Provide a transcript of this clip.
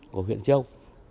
của huyện châu